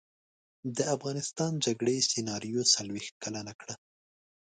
د افغانستان جګړې سناریو څلویښت کلنه کړه.